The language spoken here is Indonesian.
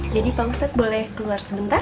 jadi pak ustadz boleh keluar sebentar